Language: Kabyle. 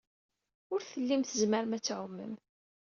Ur tellim tzemrem ad tɛumem.